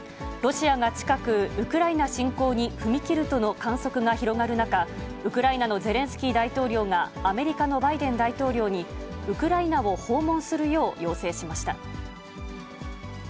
ロシアが近く、ウクライナ侵攻に踏み切るとの観測が広がる中、ウクライナのゼレンスキー大統領が、アメリカのバイデン大統領に、ウクライナを訪